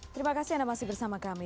terima kasih anda masih bersama kami